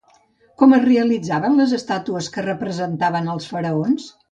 Com es realitzaven les estàtues que representaven als faraons?